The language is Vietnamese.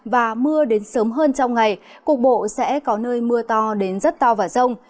và mưa đến sớm hơn trong ngày cục bộ sẽ có nơi mưa to đến rất to và rông